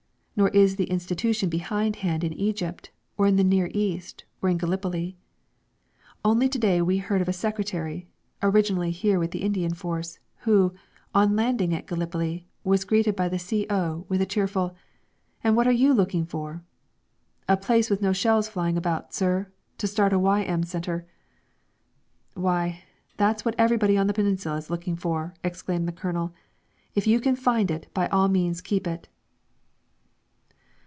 Nor is the institution behindhand in Egypt or the Near East or Gallipoli. Only to day we heard of a secretary (originally here with the Indian force) who, on landing at Gallipoli, was greeted by the C.O. with a cheerful: "And what are you looking for?" "A place with no shells flying about, sir, to start a Y.M. centre!" "Why, that's what everyone on the Peninsula is looking for!" exclaimed the Colonel. "If you can find it, by all means keep it!"